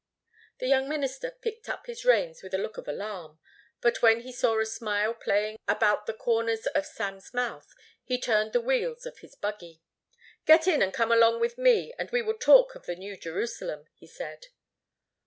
The young minister picked up his reins with a look of alarm, but when he saw a smile playing about the corners of Sam's mouth, he turned the wheels of his buggy. "Get in and come along with me and we will talk of the New Jerusalem," he said.